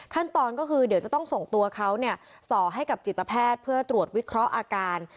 ขั้นตอนก็คือเดี๋ยวจะต้องส่งตัวเขาส่อให้กับจิตแพทย์เพื่อตรวจวิเคราะห์อาการ